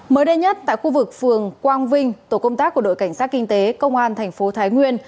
mới đây nhất tại khu vực phường quang vinh tổ công tác của đội cảnh sát kinh tế công an thành phố thái nguyên